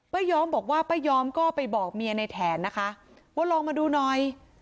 ยอมบอกว่าป้าย้อมก็ไปบอกเมียในแถนนะคะว่าลองมาดูหน่อย